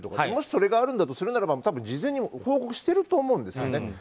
もしそれがあるんだとするならば多分、事前に報告してると思うんですよね。